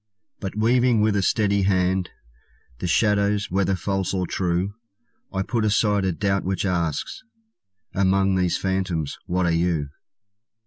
But weaving with a steady hand The shadows, whether false or true, I put aside a doubt which asks "Among these phantoms what are you?"